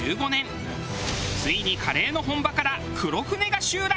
ついにカレーの本場から黒船が襲来。